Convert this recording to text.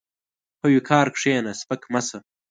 په وقار کښېنه، سپک مه شه.